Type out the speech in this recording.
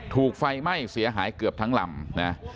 ถูกไฟไหม้เสียหายเกือบทั้งลำนะ